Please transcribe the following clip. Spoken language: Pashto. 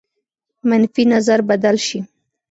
منفي نظر بدل شي.